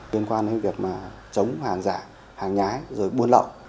liên quan đến việc chống hàng giả hàng nhái buôn lậu